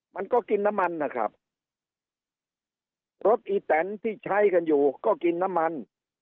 มันก็กินน้ำมันนะครับรถอีแตนที่ใช้กันอยู่ก็กินน้ำมัน